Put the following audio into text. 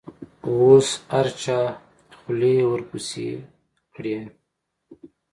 اوس هر چا خولې ورپسې کړي.